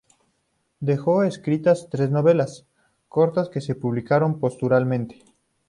Dejó escritas tres novelas cortas que se publicaron póstumamente.